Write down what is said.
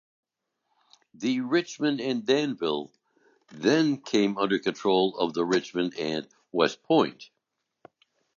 The Richmond and Danville then came under control of the Richmond and West Point.